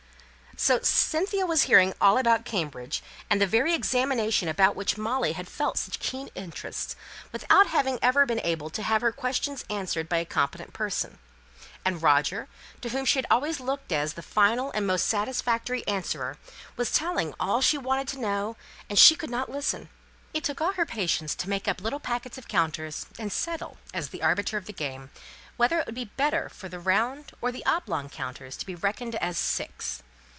So Cynthia was hearing all about Cambridge, and the very examination about which Molly had felt such keen interest, without having ever been able to have her questions answered by a competent person; and Roger, to whom she had always looked as the final and most satisfactory answerer, was telling the whole of what she wanted to know, and she could not listen. It took all her patience to make up little packets of counters, and settle, as the arbiter of the game, whether it would be better for the round or the oblong counters to be reckoned as six.